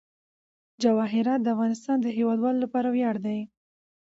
جواهرات د افغانستان د هیوادوالو لپاره ویاړ دی.